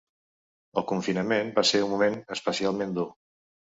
El confinament va ser un moment especialment dur.